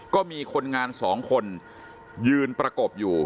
ก็มีคนงาน๒คนยืนประกบอยู่